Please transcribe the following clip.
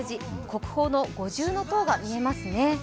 国宝の五重塔が見えますね。